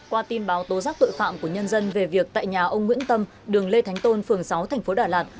qua tin báo tố giác tội phạm của nhân dân về việc tại nhà ông nguyễn tâm đường lê thánh tôn phường sáu tp đà lạt